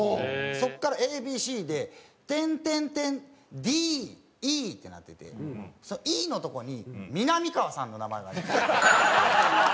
そこからＡＢＣで点点点ＤＥってなっててそのＥのとこにみなみかわさんの名前がありました。